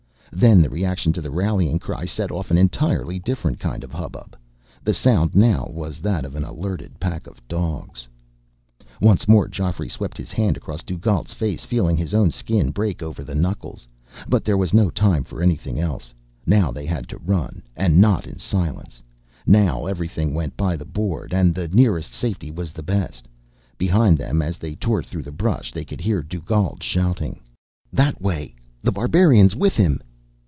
Then the reaction to the rallying cry set off an entirely different kind of hubbub. The sound now was that of an alerted pack of dogs. Once more, Geoffrey swept his hand across Dugald's face, feeling his own skin break over the knuckles. But there was no time for anything else. Now they had to run, and not in silence. Now everything went by the board, and the nearest safety was the best. Behind them as they tore through the brush, they could hear Dugald shouting: "That way! The Barbarian's with him!"